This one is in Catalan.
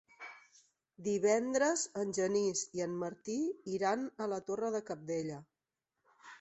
Divendres en Genís i en Martí iran a la Torre de Cabdella.